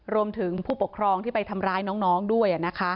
รวมถึงผู้ปกครองที่ไปทำร้ายน้องด้วย